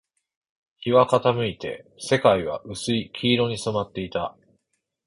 日は傾いて、世界は薄い黄色に染まっていた